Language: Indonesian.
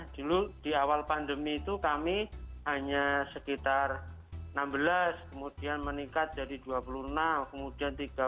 dulu di awal pandemi itu kami hanya sekitar enam belas kemudian meningkat dari dua puluh enam kemudian tiga puluh lima empat puluh dua